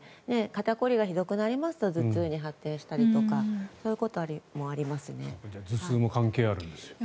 肩凝りがひどくなりますと頭痛に発展したりとか頭痛も関係あるんですね。